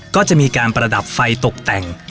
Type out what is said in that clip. ก็จะมีการประดับไฟตกแต่ง